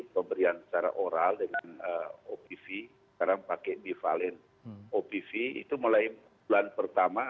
pemberian secara oral dengan opv sekarang pakai bivalen opv itu mulai bulan pertama